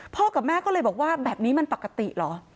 กับแม่ก็เลยบอกว่าแบบนี้มันปกติเหรอ